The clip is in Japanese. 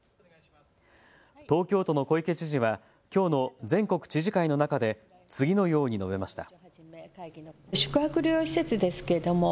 東京都の小池知事はきょうの全国知事会の中で次のように述べました。